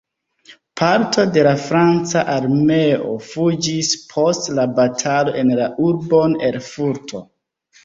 Parto de la franca armeo fuĝis post la batalo en la urbon Erfurto.